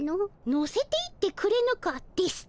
「乗せていってくれぬか」ですと？